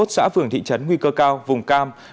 bảy mươi một xã phường thị trấn nguy cơ cao vùng cam